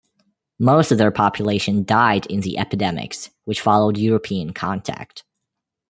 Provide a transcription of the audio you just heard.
Most of their population died in the epidemics which followed European contact.